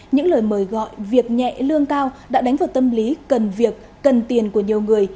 những lời mời gọi việc nhẹ lương cao đã đánh vào tâm lý cần việc cần tiền của nhiều người